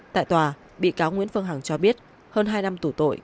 tại tòa bị cáo nguyễn phương hằng cho biết hơn hai năm tù tội